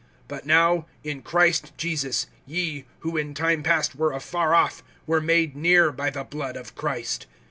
(13)But now, in Christ Jesus, ye, who in time past were afar off, were made near by the blood of Christ.